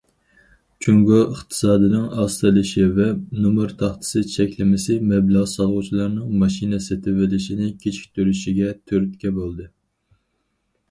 جۇڭگو ئىقتىسادىنىڭ ئاستىلىشى ۋە نومۇر تاختىسى چەكلىمىسى مەبلەغ سالغۇچىلارنىڭ ماشىنا سېتىۋېلىشىنى كېچىكتۈرۈشىگە تۈرتكە بولدى.